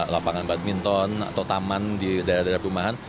lapangan badminton atau taman di daerah daerah perumahan